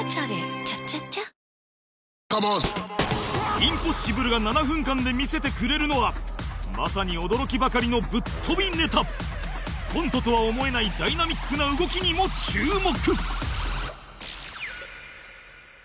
インポッシブルが７分間で見せてくれるのはまさに驚きばかりのぶっ飛びネタコントとは思えないダイナミックな動きにも注目